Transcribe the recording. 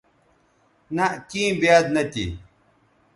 نہء کیں بیاد نہ تھی